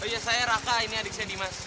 oh iya saya raka ini adik saya dimas